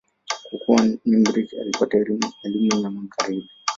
Kukua, Nimr alipata elimu ya Magharibi.